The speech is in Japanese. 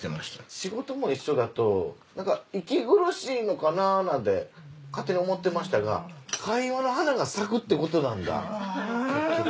仕事も一緒だと息苦しいのかななんて勝手に思ってましたがってことなんだ。